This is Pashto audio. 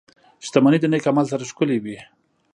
• شتمني د نېک عمل سره ښکلې وي.